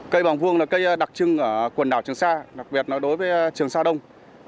cây bóng vuông là cây đặc trưng ở quần đảo trường sa đặc biệt là đối với trường sa đông